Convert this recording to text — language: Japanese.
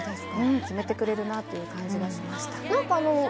決めてくれるなという感じがしました。